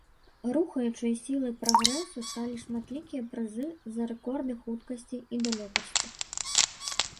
Рухаючай сілай прагрэсу сталі шматлікія прызы за рэкорды хуткасці і далёкасці.